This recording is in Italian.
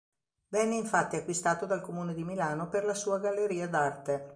Venne infatti acquistato dal Comune di Milano per la sua Galleria d'arte.